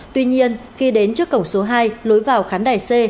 tuy nhiên khi đến trước cổng số hai lối vào khán đài c